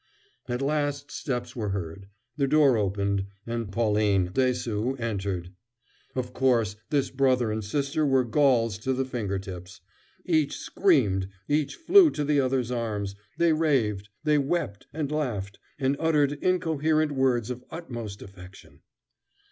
At last steps were heard, the door opened, and Pauline Dessaulx entered. Of course, this brother and sister were Gauls to the finger tips. Each screamed, each flew to the other's arms; they raved; they wept, and laughed, and uttered incoherent words of utmost affection.